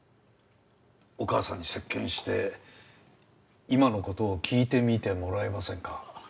お義母さんに接見して今の事を聞いてみてもらえませんか？